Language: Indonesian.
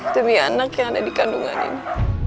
demi anak yang ada di kandungan ini